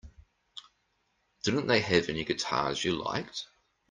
Didn't they have any guitars you liked?